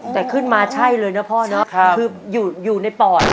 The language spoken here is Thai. แต่ขึ้นมาใช่เลยนะพ่อเนอะคืออยู่ในปอด